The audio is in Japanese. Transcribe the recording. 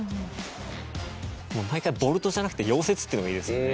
毎回ボルトじゃなくて溶接っていうのもいいですよね。